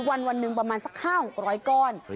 วันหนึ่งประมาณสัก๕๖๐๐ก้อน